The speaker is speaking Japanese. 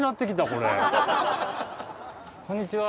こんにちは。